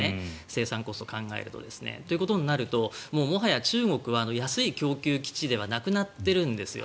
生産コストを考えると。ということになるともはや中国は安い供給基地ではなくなっているんです。